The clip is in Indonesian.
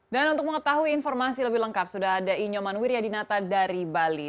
dan untuk mengetahui informasi lebih lengkap sudah ada i nyoman wiryadinata dari bali